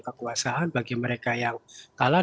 kekuasaan bagi mereka yang kalah